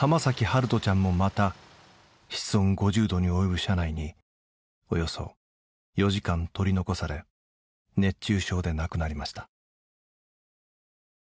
暖人ちゃんもまた室温５０度に及ぶ車内におよそ４時間取り残され熱中症で亡くなりました。